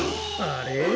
あれ？